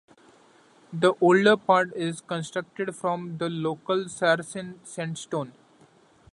The older part is constructed from the local sarsen sandstone.